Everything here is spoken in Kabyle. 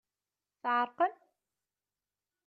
Tɛerqem?